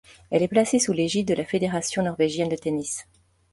Elle est placée sous l'égide de la Fédération norvégienne de tennis.